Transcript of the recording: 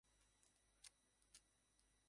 গোত্র দেবতার কোনও রূপ নেই।